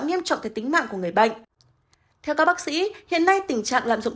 nghiêm trọng tới tính mạng của người bệnh theo các bác sĩ hiện nay tình trạng lạm dụng